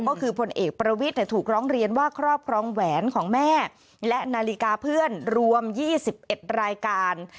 ก็คือผลเอกประวิทย์ถูกร้องเรียนว่าครอบครองแหวนของแม่และนาฬิกาเพื่อนรวม๒๑รายการ